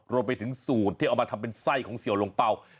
รวมไปถึงสูตรที่เอามาทำเป็นไส้ของเสี่ยวลงเป่า